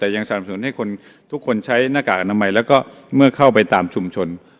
แต่ยังสนับสนุนให้คนทุกคนใช้หน้ากากอนามัยแล้วก็เมื่อเข้าไปตามชุมชน